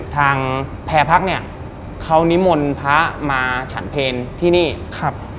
ทางแพรพักเนี้ยเขานิมนต์พระมาฉันเพลที่นี่ครับ